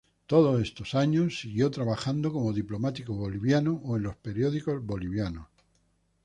Todos estos años que siguieron trabajando como diplomático boliviano o en los periódicos bolivianos.